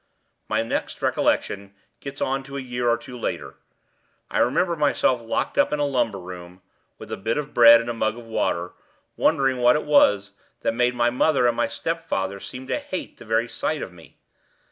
My next recollection gets on to a year or two later. I remember myself locked up in a lumber room, with a bit of bread and a mug of water, wondering what it was that made my mother and my stepfather seem to hate the very sight of me.